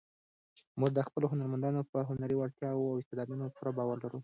موږ د خپلو هنرمندانو په هنري وړتیاوو او استعدادونو پوره باور لرو.